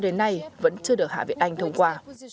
đến nay vẫn chưa được hạ viện anh thông qua